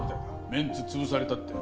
メンツ潰されたって。